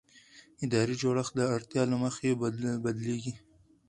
اداري جوړښت د اړتیا له مخې بدلېږي.